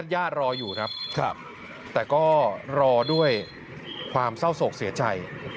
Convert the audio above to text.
รออยู่ครับแต่ก็รอด้วยความเศร้าโศกเสียใจ